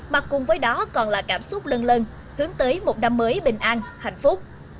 mà cùng với đó còn là cảm xúc lân lân hướng tới một năm mới bình an hạnh phúc